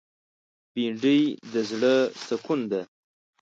بېنډۍ د زړه سکون ده